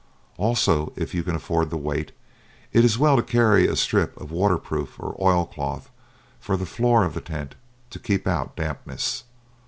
Also, if you can afford the weight, it is well to carry a strip of water proof or oilcloth for the floor of the tent to keep out dampness.